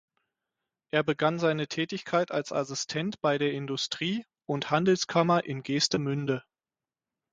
Er begann seine Tätigkeit als Assistent bei der Industrie- und Handelskammer in Geestemünde.